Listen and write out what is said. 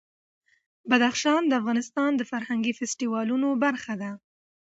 بدخشان د افغانستان د فرهنګي فستیوالونو برخه ده.